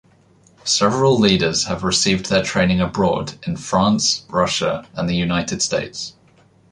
Several leaders have received their training abroad in France, Russia and the United States.